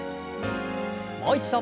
もう一度。